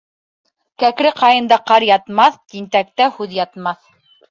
Кәкре ҡайында ҡар ятмаҫ, тинтәктә һүҙ ятмаҫ.